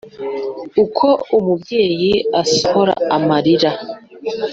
Uko umubyeyi asohora amalira